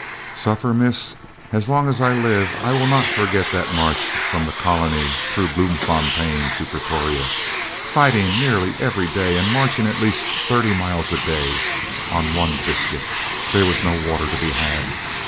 "Suffer, miss! As long as I live I will not forget that march from the colony, through Bloemfontein to Pretoria. Fighting nearly every day and marching at least thirty miles a day, on one biscuit. There was no water to be had!